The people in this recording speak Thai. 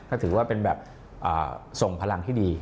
ก็ถือว่าเป็นแบบส่งพลังที่ดี